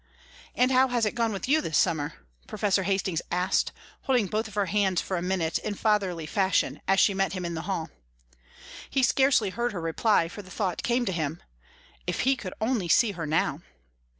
"And how has it gone with you this summer?" Professor Hastings asked, holding both of her hands for a minute in fatherly fashion as she met him in the hall. He scarcely heard her reply, for the thought came to him: "If he could only see her now!"